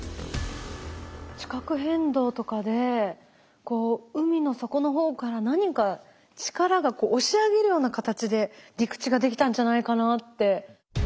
地殻変動とかで海の底の方から何か力が押し上げるような形で陸地ができたんじゃないかなって。